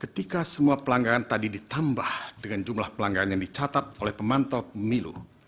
ketika semua pelanggaran tadi ditambah dengan jumlah pelanggaran yang dicatat oleh pemantau pemilu